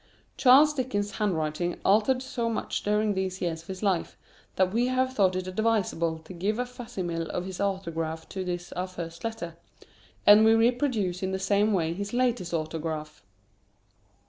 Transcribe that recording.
Charles Dickens's handwriting altered so much during these years of his life, that we have thought it advisable to give a facsimile of his autograph to this our first letter; and we reproduce in the same way his latest autograph.